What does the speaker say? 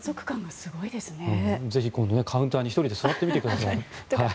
ぜひ今度カウンターに一人で座ってみてください。